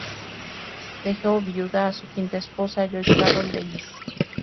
Dejó viuda a su quinta esposa, Joy Carroll Davis.